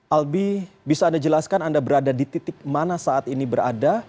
albi bisa anda jelaskan anda berada di titik mana saat ini berada